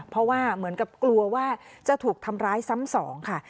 เพราะว่าเหมือนกับกลัวว่าจะถูกทำร้ายซ้ำสองค่ะ